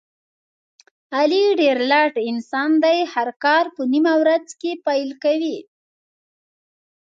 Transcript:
علي ډېر لټ انسان دی، هر کار په نیمه ورځ کې پیل کوي.